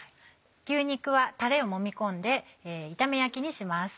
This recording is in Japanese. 牛肉はたれをもみ込んで炒め焼きにします。